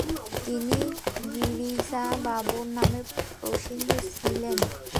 তিনি 'গিরিজা বাবু' নামে প্রসিদ্ধ ছিলেন।